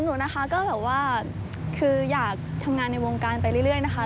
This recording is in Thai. หนูนะคะก็แบบว่าคืออยากทำงานในวงการไปเรื่อยนะคะ